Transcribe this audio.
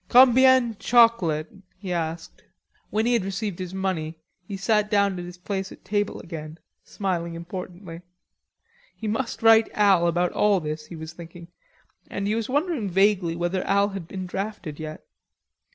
"Combien chocolate?" he asked. When he had received the money, he sat down at his place at table again, smiling importantly. He must write Al about all this, he was thinking, and he was wondering vaguely whether Al had been drafted yet.